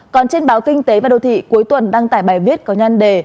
còn trên báo kinh tế và đô thị cuối tuần đăng tải bài viết có nhan đề